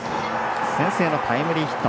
先制のタイムリーヒット。